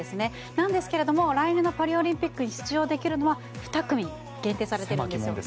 なんですが、来年のパリオリンピックに出場できるのは２組に限定されてるんですよ。